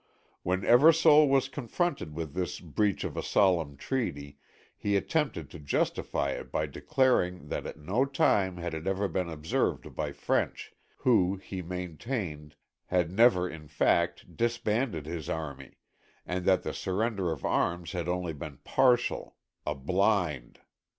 When Eversole was confronted with this breach of a solemn treaty he attempted to justify it by declaring that at no time had it ever been observed by French, who, he maintained, had never in fact disbanded his army, and that the surrender of arms had only been partial, a blind.